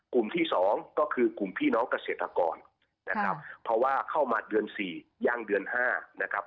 ที่สองก็คือกลุ่มพี่น้องเกษตรกรนะครับเพราะว่าเข้ามาเดือนสี่ย่างเดือนห้านะครับ